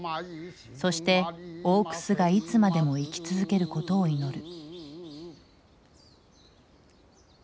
そして大楠がいつまでも生き続けることを祈る。